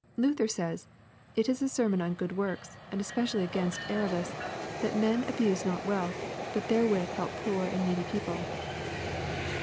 Lutner says, " It is a sermon on good works, and especially against avarice, that men abuse not wealth, but therewith help poor and needy people."